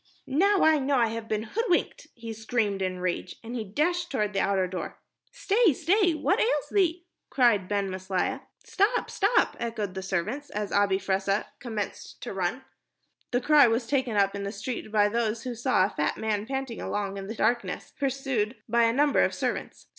"Now I know I have been hoodwinked," he screamed in rage, and he dashed toward the outer door. "Stay, stay what ails thee?" cried Ben Maslia. "Stop, stop," echoed the servants, as Abi Fressah commenced to run. The cry was taken up in the street by those who saw a fat man panting along in the darkness, pursued by a number of servants.